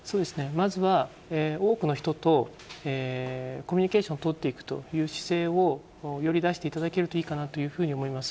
まずは多くの人とコミュニケーションを取っていくという姿勢をより出していただけるといいかなと思います。